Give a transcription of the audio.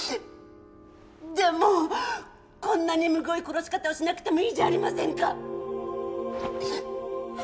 でもこんなにむごい殺し方をしなくてもいいじゃありませんか！